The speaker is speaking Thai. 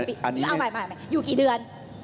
เอาใหม่อยู่กี่เดือน